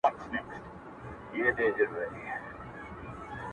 o د ژوند سكونه نور دي دغـه نامــه بــايـلولـه.